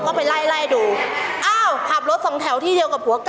ก็ไปไล่ไล่ดูอ้าวขับรถสองแถวที่เดียวกับผัวเก่า